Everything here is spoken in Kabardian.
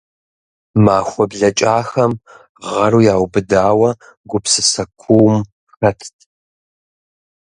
Махуэ блэкӏахэм гъэру яубыдауэ, гупсысэ куум хэтт.